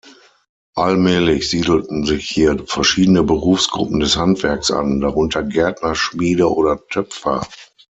Allmählich siedelten sich hier verschiedene Berufsgruppen des Handwerks an, darunter Gärtner, Schmiede oder Töpfer.